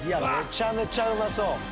めちゃめちゃうまそう。